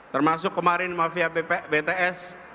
termasuk kemarin mafia bts